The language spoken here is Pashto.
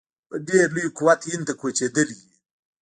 په ډېر لوی قوت هند ته کوچېدلي وي.